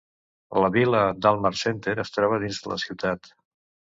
La vila d'Alma Center es troba dins de la ciutat.